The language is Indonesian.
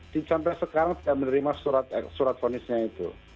ada yang lima tahun sampai sekarang tidak menerima surat fonis kami